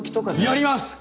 やります！